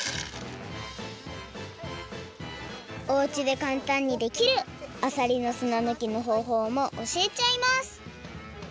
おうちでかんたんにできるあさりのすなぬきのほうほうもおしえちゃいます！